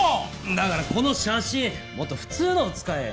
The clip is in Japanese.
だからこの写真もっと普通のを使えよ。